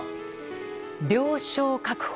病床確保。